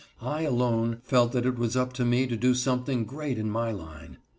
I alone felt that it was up to me to do something great in my line.